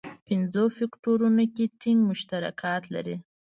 پنځو فکټورونو کې ټینګ مشترکات لري.